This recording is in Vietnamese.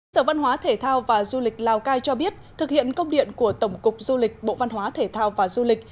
sở văn hóa thể thao và du lịch lào cai cho biết thực hiện công điện của tổng cục du lịch bộ văn hóa thể thao và du lịch